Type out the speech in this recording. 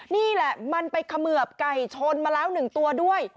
นี่แหละมันไปเขมือบไก่ชนมาแล้ว๑ตัวด้วย